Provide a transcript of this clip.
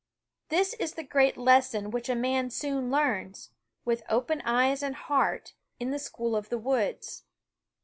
This is the great THE WOODS 9 lesson which a man soon learns, with open eyes and heart, in the school of the woods.